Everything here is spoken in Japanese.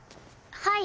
はい。